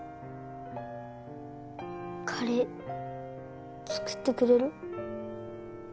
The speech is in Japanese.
カレー作ってくれる？